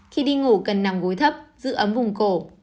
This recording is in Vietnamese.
khi đi ngủ cần nằm gối thấp giữ ấm vùng cổ